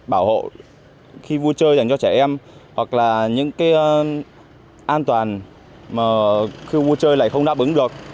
bảo hộ khi vui chơi dành cho trẻ em hoặc là những cái an toàn mà khu vui chơi lại không đáp ứng được